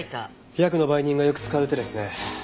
ヤクの売人がよく使う手ですね。